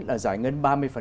là giải ngân ba mươi